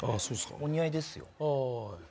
お似合いですよ。